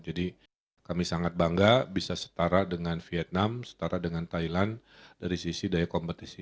jadi kami sangat bangga bisa setara dengan vietnam setara dengan thailand dari sisi daya kompetisi